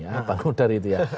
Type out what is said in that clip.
apa ngudari itu ya